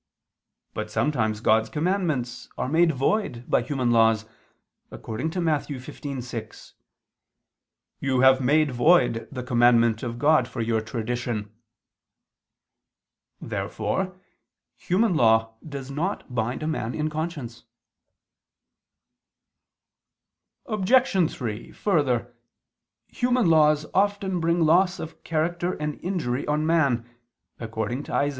But sometimes God's commandments are made void by human laws, according to Matt. 15:6: "You have made void the commandment of God for your tradition." Therefore human law does not bind a man in conscience. Obj. 3: Further, human laws often bring loss of character and injury on man, according to Isa.